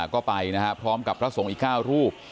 ก็ไปนะครับพร้อมกับพระสงฆ์อีก๙รูป